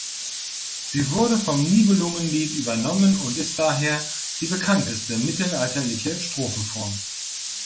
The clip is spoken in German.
Sie wurde vom Nibelungenlied übernommen und ist daher die bekannteste mittelalterliche Strophenform.